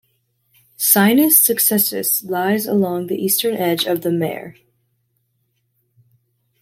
Sinus Successus lies along the eastern edge of the mare.